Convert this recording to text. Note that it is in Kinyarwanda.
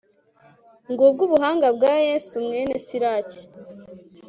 ngubwo ubuhanga bwa yezu, mwene siraki